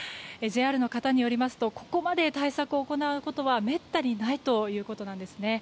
ＪＲの方によりますとここまで対策を行うことはめったにないということなんですね。